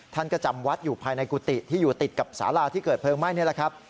ท่านก็จำวัดอยู่ภายในกุฏิที่อยู่ติดกับสาราที่เกิดเพลิงไหม้นี่แหละครับ